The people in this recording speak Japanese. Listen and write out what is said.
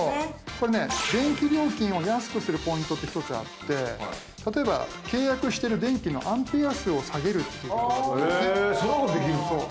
これね電気料金を安くするポイントって１つあって例えば契約してる電気のアンペア数を下げるっていうことができるね。へそんなことできるんですか。